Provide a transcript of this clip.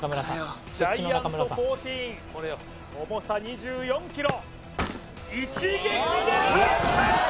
ジャイアント１４重さ２４キロ一撃で倒した！